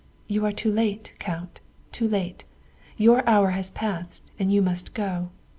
" You are too late, Count, too late. Your hour has passed and you must go.